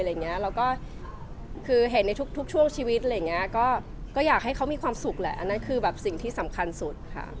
แล้วก็คือเห็นในทุกช่วงชีวิตอะไรอย่างนี้ก็อยากให้เขามีความสุขแหละอันนั้นคือแบบสิ่งที่สำคัญสุดค่ะ